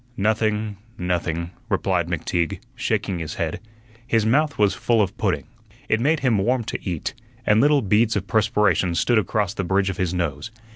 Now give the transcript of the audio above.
"Nothing, nothing," replied McTeague, shaking his head. His mouth was full of pudding. It made him warm to eat, and little beads of perspiration stood across the bridge of his nose.